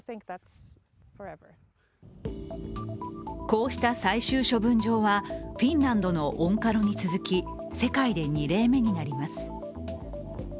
こうした最終処分場はフィンランドのオンカロに続き世界で２例目になります。